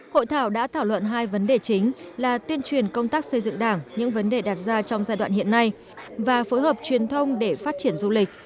hội thảo đã thảo luận hai vấn đề chính là tuyên truyền công tác xây dựng đảng những vấn đề đạt ra trong giai đoạn hiện nay và phối hợp truyền thông để phát triển du lịch